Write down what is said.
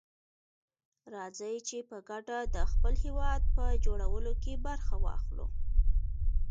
راځي چي په ګډه دخپل هيواد په جوړولو کي برخه واخلو.